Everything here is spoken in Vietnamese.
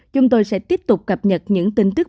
chúng tôi sẽ tiếp tục cập nhật những tin tức